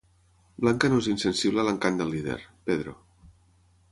Blanca no és insensible a l'encant del líder, Pedro.